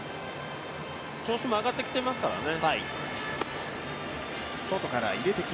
調子も上がってきていますからね。